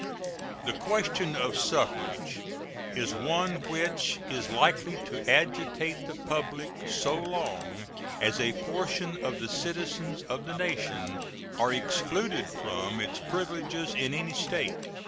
The question of suffrage is one which is likely to agitate the public so long as a portion of the citizens of the nation are excluded from its privileges in any State.